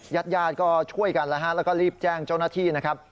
ญาติญาติก็ช่วยกันแล้วฮะแล้วก็รีบแจ้งเจ้าหน้าที่นะครับ